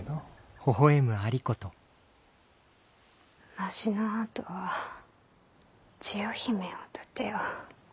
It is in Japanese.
わしのあとは千代姫を立てよ。